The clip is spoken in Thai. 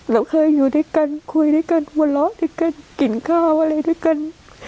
เราเคยอยู่ด้วยกันคุยด้วยกันหัวเราะด้วยกันกินข้าวอะไรด้วยกัน